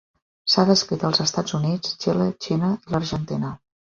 S'ha descrit als Estats Units, Xile, Xina i l'Argentina.